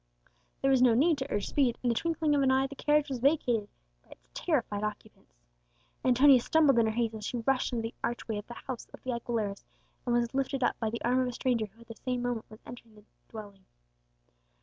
There was no need to urge speed; in the twinkling of an eye the carriage was vacated by its terrified occupants. Antonia stumbled in her haste as she rushed under the archway of the house of the Aguileras, and was lifted up by the arm of a stranger who at the same moment was entering the dwelling.